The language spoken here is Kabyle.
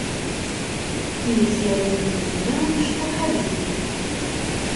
Yezger uydi-nni amecṭuḥ abrid.